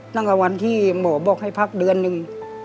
ตั้งแต่วันที่หมอบอกให้พักเดือนหนึ่ง